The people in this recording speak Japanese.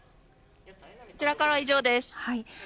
こちらからは以上です。